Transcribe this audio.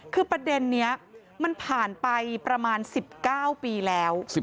คือประเด็นนี้มันผ่านไปประมาณ๑๙ปีแล้ว